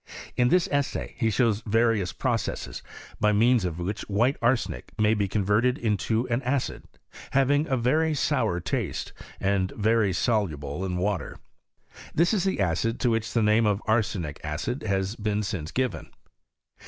In this essay he shows various processes, by means of which white arsenic may be converted into an acid, having a very sour taste, and very soluble in water. This is the acid to which the name of arsenic acid has been since given.